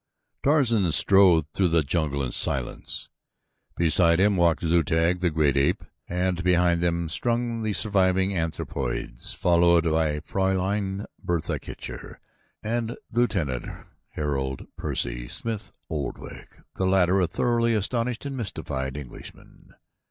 Tarzan strode through the jungle in silence. Beside him walked Zu tag, the great ape, and behind them strung the surviving anthropoids followed by Fraulein Bertha Kircher and Lieutenant Harold Percy Smith Oldwick, the latter a thoroughly astonished and mystified Englishman.